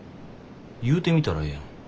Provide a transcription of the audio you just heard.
言うてみたらええやん。